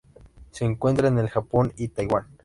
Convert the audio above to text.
Se encuentra en el Japón y Taiwán.